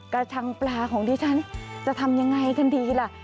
ชังปลาของดิฉันจะทำยังไงกันดีล่ะ